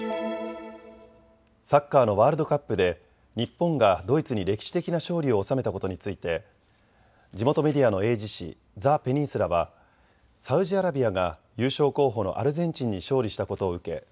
サッカーのワールドカップで日本がドイツに歴史的な勝利を収めたことについて地元メディアの英字紙、ザ・ペニンスラはサウジアラビアが優勝候補のアルゼンチンに勝利したことを受け